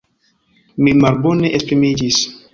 Mi malbone esprimiĝis!